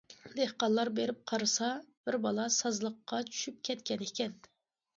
دېھقان بېرىپ قارىسا، بىر بالا سازلىققا چۈشۈپ كەتكەنىكەن.